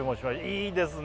いいですね！